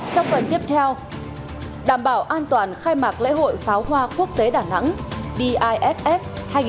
trong phần tiếp theo đảm bảo an toàn khai mạc lễ hội pháo hoa quốc tế đà nẵng diff hai nghìn một mươi chín